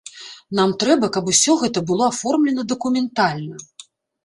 Нам трэба, каб усё гэта было аформлена дакументальна.